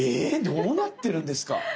どうなってるんですか。